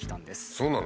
そうなの？